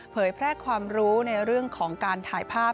เผยแพร่ความรู้ในเรื่องของการถ่ายภาพ